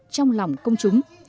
trong lòng công chúng